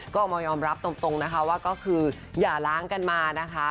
ก็ออกมายอมรับตรงนะคะว่าก็คืออย่าล้างกันมานะคะ